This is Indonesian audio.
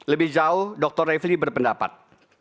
lebih jauh dr refli berpendapat